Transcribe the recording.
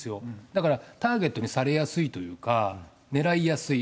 だから、ターゲットにされやすいというか、狙いやすい。